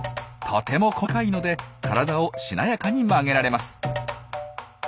とても細かいので体をしなやかに曲げられます。